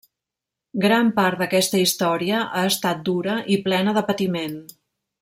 Gran part d’aquesta història ha estat dura i plena de patiment.